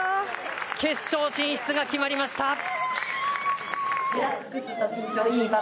決勝進出が決まりました！